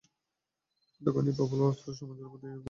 তখন সেই প্রবল ভাবস্রোত সমাজের উপর দিয়া অপ্রতিহত বেগে বহিয়া যায়।